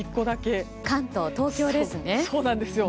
関東、東京ですね。